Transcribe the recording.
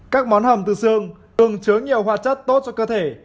các món hầm từ xương thường chứa nhiều hoạt chất tốt cho cơ thể